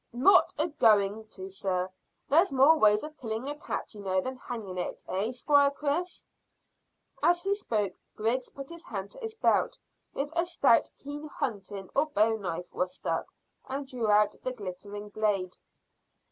"Not a going to, sir. There's more ways of killing a cat, you know, than hanging it. Eh, Squire Chris?" As he spoke Griggs put his hand to his belt, in which a stout keen hunting or bowie knife was stuck, and drew out the glittering blade.